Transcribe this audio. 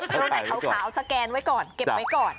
ตัวไหนขาวสแกนไว้ก่อนเก็บไว้ก่อน